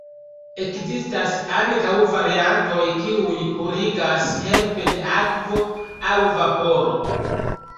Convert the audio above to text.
Ekzistas ankaŭ variantoj, kiuj purigas helpe de akvo aŭ vaporo.